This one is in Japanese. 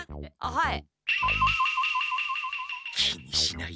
はい。